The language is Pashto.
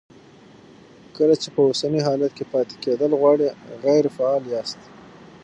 کله چې په اوسني حالت کې پاتې کېدل غواړئ غیر فعال یاست.